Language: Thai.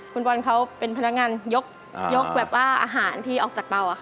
คุณบอลเขาเป็นพนักงานยกแบบว่าอาหารที่ออกจากเตาค่ะ